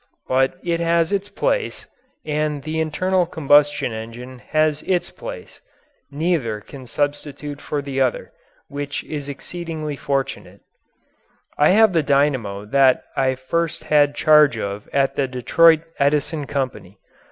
But it has its place, and the internal combustion engine has its place. Neither can substitute for the other which is exceedingly fortunate. I have the dynamo that I first had charge of at the Detroit Edison Company.